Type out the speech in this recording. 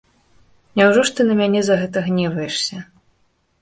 Няўжо ж ты на мяне за гэта гневаешся?